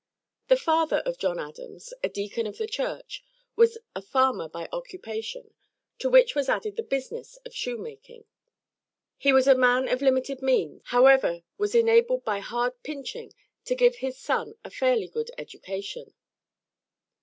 The father of John Adams, a deacon of the church, was a farmer by occupation, to which was added the business of shoemaking. He was a man of limited means, however, was enabled by hard pinching to give his son a fairly good education.